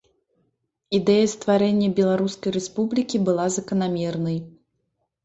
Ідэя стварэння беларускай рэспублікі была заканамернай.